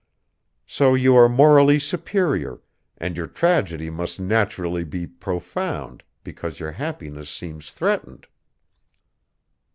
So you are morally superior, and your tragedy must naturally be profound because your happiness seems threatened."